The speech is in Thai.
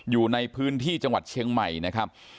อยู่ในพื้นที่จังหวัดเชียงใหม่นะครับ